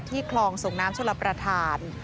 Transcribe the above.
ที่คลองสงน้ำชลปฐาน